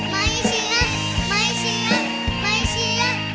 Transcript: ไม่ชิ้น้ำไม่เช้าไม่เชียว